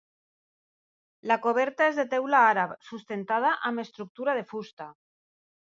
La coberta és de teula àrab, sustentada amb estructura de fusta.